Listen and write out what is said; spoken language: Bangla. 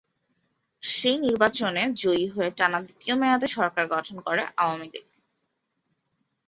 সেই নির্বাচনে জয়ী হয়ে টানা দ্বিতীয় মেয়াদে সরকার গঠন করে আওয়ামী লীগ।